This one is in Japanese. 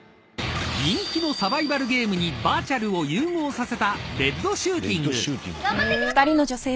［人気のサバイバルゲームにバーチャルを融合させた］頑張っていきましょう！